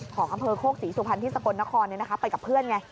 ของอำเภอโคกศรีสุพรรณที่สกลนครไปกับเพื่อนไง